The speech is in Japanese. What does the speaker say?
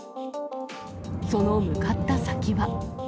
その向かった先は。